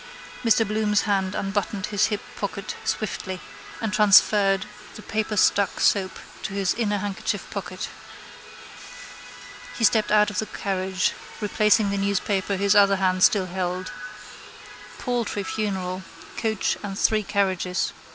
Mr Bloom's hand unbuttoned his hip pocket swiftly and transferred the paperstuck soap to his inner handkerchief pocket. He stepped out of the carriage, replacing the newspaper his other hand still held. Paltry funeral: coach and three carriages.